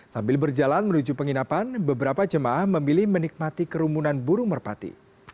sambil berjalan menuju penginapan beberapa jemaah memilih menikmati kerumunan burung merpati